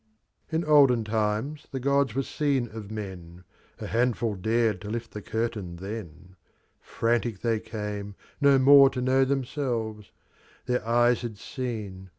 [u Olden TErrws the Cods were &sen of Mefl 1 A Handful dared to Lift tfis Curtain then. Frantic they came, no more to know IbemseJves; Their E;jes had seen.